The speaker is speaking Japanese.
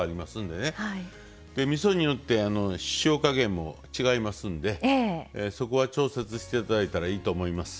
みそによって塩加減も違いますんでそこは調節して頂いたらいいと思います。